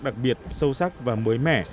đặc biệt sâu sắc và mới mẻ